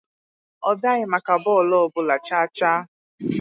Ọ bịaghị maka bọọlụ ọ bụla chaa chaa.